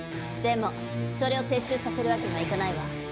でもそれを撤収させるわけにはいかないわ。